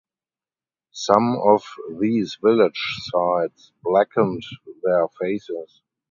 Some of these village sides blackened their faces.